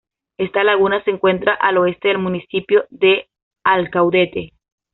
Esta laguna se encuentra al oeste del municipio de Alcaudete.